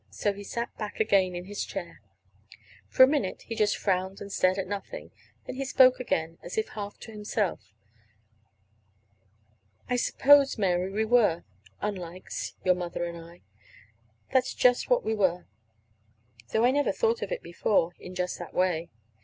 So he sat back again in his chair. For a minute he just frowned and stared at nothing; then he spoke again, as if half to himself. "I suppose, Mary, we were unlikes, your mother and I. That's just what we were; though I never thought of it before, in just that way."